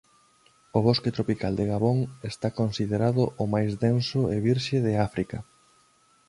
O bosque tropical de Gabón está considerado o máis denso e virxe de África.